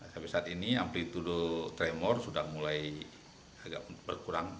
sampai saat ini amplitude tremor sudah mulai agak berkurang